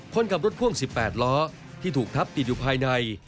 คนขับรถพ่วง๑๘ล้อที่ถูกทับติดอยู่ภายใน